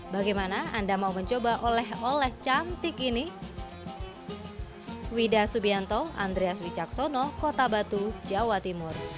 bagaimana anda mau mencoba oleh oleh cantik ini